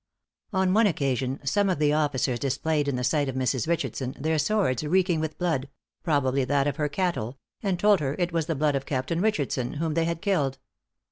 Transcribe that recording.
On one occasion some of the officers displayed in the sight of Mrs. Richardson, their swords reeking with blood probably that of her cattle and told her it was the blood of Captain Richardson, whom they had killed.